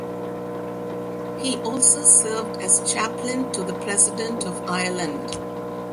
He also served as chaplain to the President of Ireland.